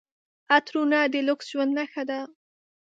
عطرونه د لوکس ژوند نښه ده.